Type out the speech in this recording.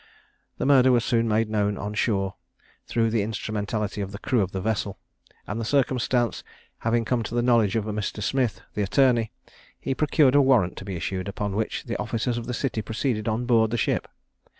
The murder was soon made known on shore, through the instrumentality of the crew of the vessel; and the circumstance having come to the knowledge of Mr. Smith, the attorney, he procured a warrant to be issued, upon which the officers of the city proceeded on board the ship.